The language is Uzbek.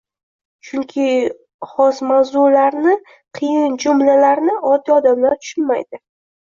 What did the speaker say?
Chunki xos mavzularni, qiyin jumlalarni oddiy odamlar tushunmaydi.